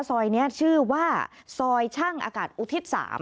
ซอยนี้ชื่อว่าซอยช่างอากาศอุทิศ๓